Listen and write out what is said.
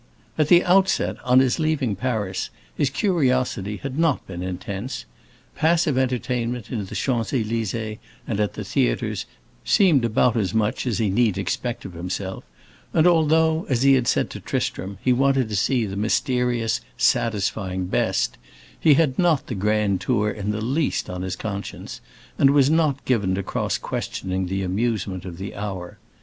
At the outset, on his leaving Paris, his curiosity had not been intense; passive entertainment, in the Champs Élysées and at the theatres, seemed about as much as he need expect of himself, and although, as he had said to Tristram, he wanted to see the mysterious, satisfying best, he had not the Grand Tour in the least on his conscience, and was not given to cross questioning the amusement of the hour.